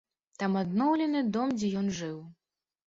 Там адноўлены дом, дзе ён жыў.